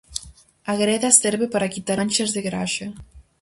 A greda serve para quitar manchas de graxa.